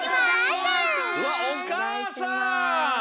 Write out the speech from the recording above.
うわおかあさん。